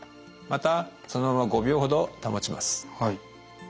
またそのまま５秒ほど保ちます。